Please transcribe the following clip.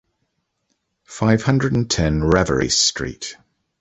Five hundred and ten, Ravarys Street